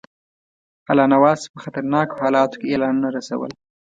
الله نواز په خطرناکو حالاتو کې اعلانونه رسول.